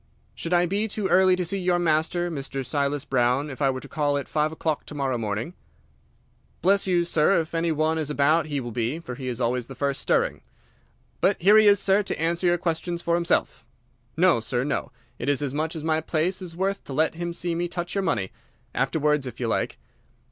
"Should I be too early to see your master, Mr. Silas Brown, if I were to call at five o'clock to morrow morning?" "Bless you, sir, if any one is about he will be, for he is always the first stirring. But here he is, sir, to answer your questions for himself. No, sir, no; it is as much as my place is worth to let him see me touch your money. Afterwards, if you like."